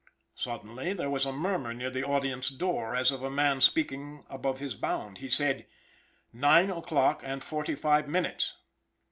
Suddenly there was a murmur near the audience door, as of a man speaking above his bound. He said: "Nine o'clock and forty five minutes!"